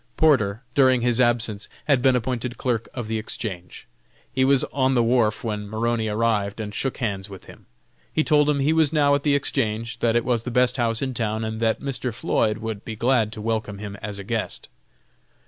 Porter, during his absence, had been appointed clerk of the Exchange. He was on the wharf when Maroney arrived, and shook hands with him. He told him he was now at the Exchange; that it was the best house in town, and that Mr. Floyd would be glad to welcome him as a guest.